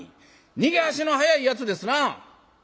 逃げ足の速いやつですな」。